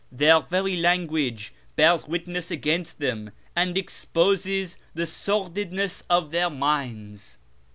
Their very language bears witness against them and exjDOses the sordidness of their minds.